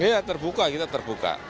ya terbuka kita terbuka